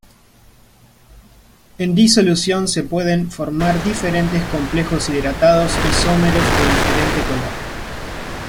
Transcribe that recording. En disolución, se pueden formar diferentes complejos hidratados isómeros de diferente color.